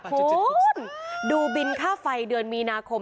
คุณดูบินค่าไฟเดือนมีนาคม